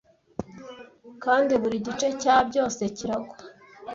Kandi buri gice cya byose kiragwa